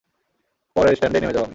পরের স্ট্যান্ডেই নেমে যাব আমি!